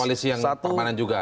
koalisi yang permanen juga